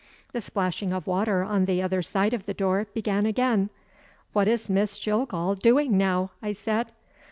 The splashing of water on the other side of the door began again. "What is Miss Jillgall doing now?" I said.